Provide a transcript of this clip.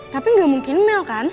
tapi gak mungkin mel kan